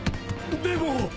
でも。